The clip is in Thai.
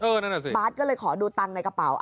นั่นแหละสิบาทก็เลยขอดูตังค์ในกระเป๋า